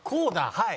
はい。